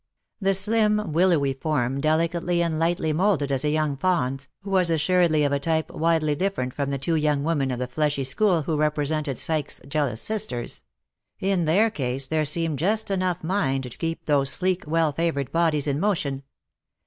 ''^ The slim, willowy form, delicately and lightly moulded as a young fawn^ was assuredly of a type widely different from the two young women of the fleshly school who represented Psyche's jealous sisters. In their case there seemed just enough mind toheep those sleelv, well favoured bodies in motion.